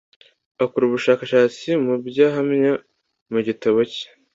akora ubushakashatsi mu bya ahamya mu gitabo cye